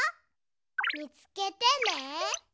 みつけてね。